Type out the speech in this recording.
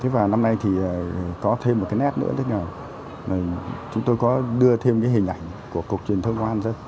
và năm nay có thêm một nét nữa chúng tôi có đưa thêm hình ảnh của cục truyền thông công an dân